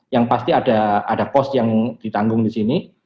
yang pasti ada pos yang ditanggung di sini